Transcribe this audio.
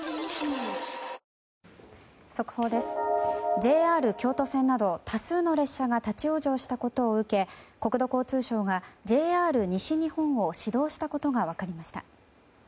ＪＲ京都線など多数の列車が立ち往生したことを受け国土交通省がＪＲ西日本を指導したことが分かりました。